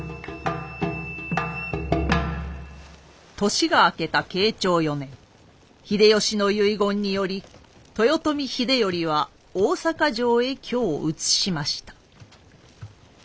年が明けた慶長四年秀吉の遺言により豊臣秀頼は大坂城へ居を移しました。